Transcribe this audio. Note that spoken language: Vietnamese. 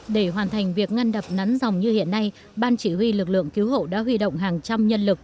để hoàn thành việc ngăn đập nắn dòng như hiện nay ban chỉ huy lực lượng cứu hộ đã huy động hàng trăm nhân lực